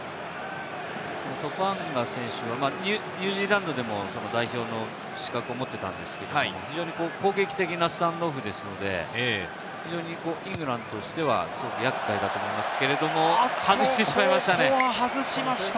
ソポアンガ選手はニュージーランドでも代表の資格を持っていたんですけれど、非常に攻撃的なスタンドオフですので、非常にイングランドとしては厄介だと思いますけれども外してしまいましたね。